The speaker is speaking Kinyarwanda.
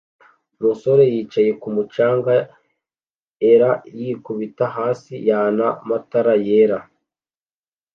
Umusore yicaye kumu canga er yikubita hasi yana matara yera